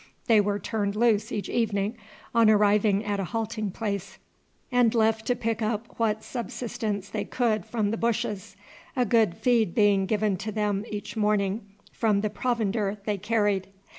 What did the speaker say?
They were turned loose each evening on arriving at a halting place, and left to pick up what subsistence they could from the bushes, a good feed being given to them each morning from the provender they carried.